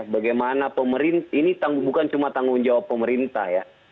bagaimana pemerintah ini bukan cuma tanggung jawab pemerintah ya